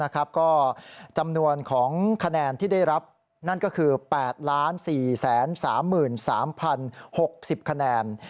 ก็จำนวนของคะแนนที่ได้รับนั่นก็คือ๘๔๓๓๐๖๐คะแนน